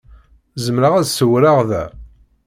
Zemreɣ ad ṣewwreɣ da?